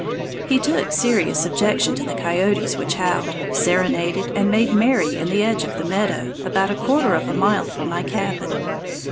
He took serious objection to the coyotes which howled, serenaded, and made merry in the edge of the meadow about a quarter of a mile from my cabin.